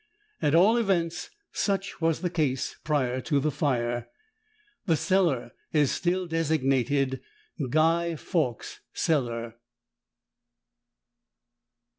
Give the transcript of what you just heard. At all events, such was the case prior to the fire. The cellar is still designated Guy Fawkes's Cellar.